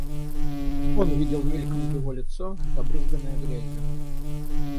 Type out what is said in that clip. Он видел мельком его лицо, забрызганное грязью.